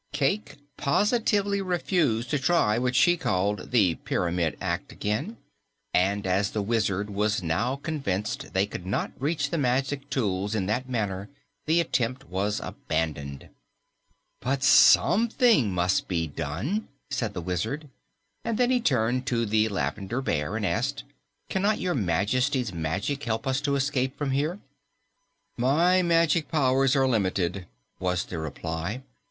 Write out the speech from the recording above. Cayke positively refused to try what she called "the pyramid act" again, and as the Wizard was now convinced they could not reach the magic tools in that manner, the attempt was abandoned. "But SOMETHING must be done," said the Wizard, and then he turned to the Lavender Bear and asked, "Cannot Your Majesty's magic help us to escape from here?" "My magic powers are limited," was the reply.